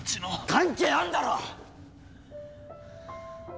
関係あんだろ！